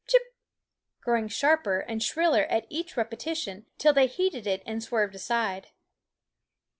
Chip! growing sharper and shriller at each repetition, till they heeded it and swerved aside.